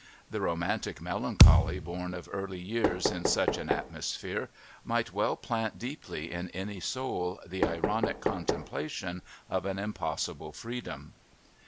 The romantic melancholy born of early years in such an atmosphere might well plant deeply in any soul the ironic contemplation of an impossible freedom.